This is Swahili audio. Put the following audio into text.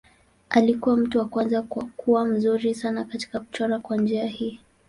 Alikuwa mtu wa kwanza kuwa mzuri sana katika kuchora kwa njia hii.